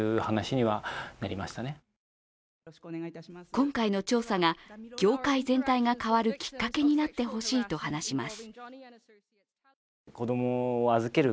今回の調査が業界全体が変わるきっかけになってほしいと話します。